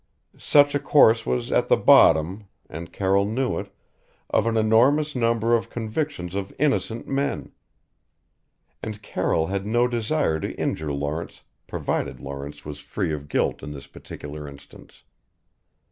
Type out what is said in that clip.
Such a course was at the bottom and Carroll knew it of an enormous number of convictions of innocent men. And Carroll had no desire to injure Lawrence provided Lawrence was free of guilt in this particular instance.